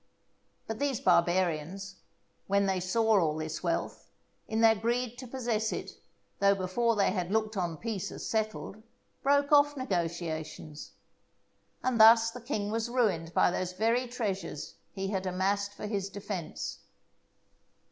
But these barbarians, when they saw all this wealth, in their greed to possess it, though before they had looked on peace as settled, broke off negotiations; and thus the king was ruined by those very treasures he had amassed for his defence.